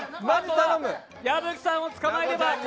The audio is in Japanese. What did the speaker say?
矢吹さんを捕まえれば。